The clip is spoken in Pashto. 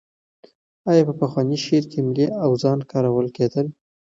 آیا په پخواني شعر کې ملي اوزان کارول کېدل؟